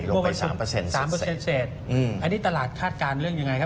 ลงไปสามเปอร์เซ็นต์สามเปอร์เซ็นต์เศษอืมอันนี้ตลาดคาดการณ์เรื่องยังไงครับ